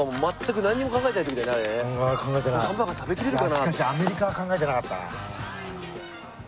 いやしかしアメリカは考えてなかったな。